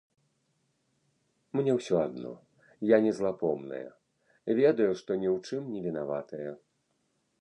Мне ўсё адно, я не злапомная, ведаю, што ні ў чым не вінаватая.